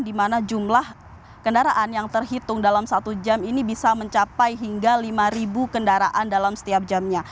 di mana jumlah kendaraan yang terhitung dalam satu jam ini bisa mencapai hingga lima kendaraan dalam setiap jamnya